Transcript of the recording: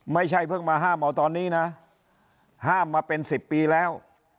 ไม่ใช่เพิ่งมาห้ามเอาตอนนี้นะห้ามมาเป็น๑๐ปีแล้ว